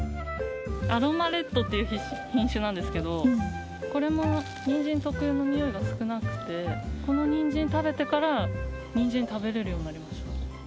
アロマレッドという品種なんですけど、これもニンジン特有のにおいが少なくて、このニンジン食べてから、ニンジン食べれるようになりました。